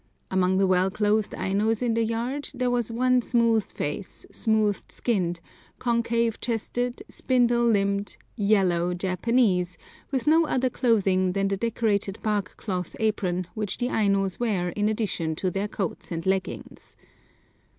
Among the well clothed Ainos in the yard there was one smooth faced, smooth skinned, concave chested, spindle limbed, yellow Japanese, with no other clothing than the decorated bark cloth apron which the Ainos wear in addition to their coats and leggings.